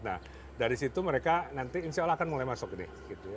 nah dari situ mereka nanti insya allah akan mulai masuk deh gitu